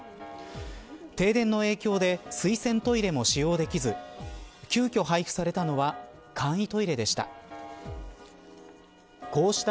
停電の影響で水洗トイレも使用できず急きょ配布されたのは簡易トイレでした。